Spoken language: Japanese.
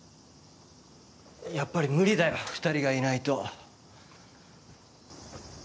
やっぱり無理だよ２人がいないと。